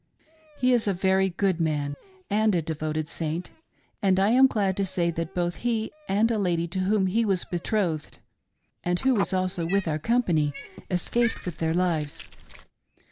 He is a very good man, and a devoted Saint ; and I am glad to say that both he and a lady to whom he was betrothed, and who was also with our com pany, escaped with their lives.